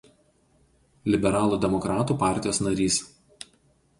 Liberalų demokratų partijos narys.